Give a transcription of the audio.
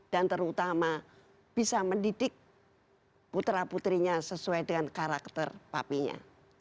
dan terutama bisa mendidik putra putrinya sesuai dengan karakter papinya